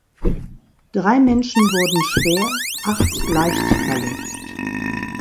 Drei Menschen wurden schwer, acht leicht verletzt.